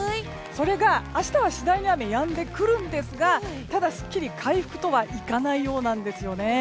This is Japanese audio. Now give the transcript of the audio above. それが明日は次第に雨がやんでくるんですがただ、すっきり回復とはいかないようなんですよね。